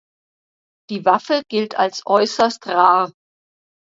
Die Waffe gilt als äußerst rar.